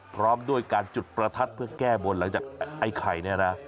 พร้อมด้วยการจุดประทัดเพื่อแก้บนหลังจากไอ้ไข่เนี่ยนะ